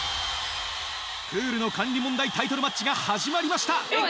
プールの管理問題タイトルマッチが始まりました。